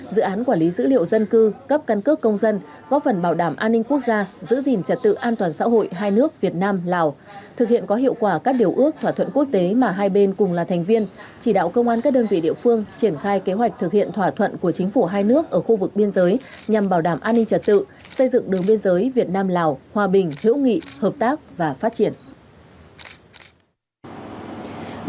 giữ gìn trật tự an toàn xã hội hai nước việt nam lào thực hiện có hiệu quả các điều ước thỏa thuận quốc tế mà hai bên cùng là thành viên chỉ đạo công an các đơn vị địa phương triển khai kế hoạch thực hiện thỏa thuận của chính phủ hai nước ở khu vực biên giới nhằm bảo đảm an ninh trật tự xây dựng đường biên giới việt nam lào hòa bình hữu nghị hợp tác và phát triển